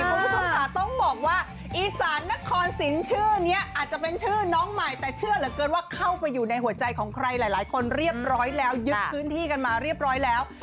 คุณผู้ชมค่ะต้องบอกว่าอีสานนครสินชื่อนี้อาจจะเป็นชื่อน้องใหม่แต่เชื่อเหลือเกินว่าเข้าไปอยู่ในหัวใจของใครหลายคนเรียบร้อยแล้วยึดพื้นที่กันมาเรียบร้อยแล้ว